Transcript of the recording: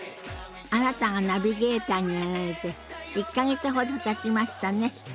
あなたがナビゲーターになられて１か月ほどたちましたね。